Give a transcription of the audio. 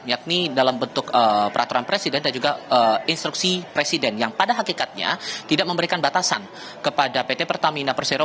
yakni dalam bentuk peraturan presiden dan juga instruksi presiden yang pada hakikatnya tidak memberikan batasan kepada pt pertamina persero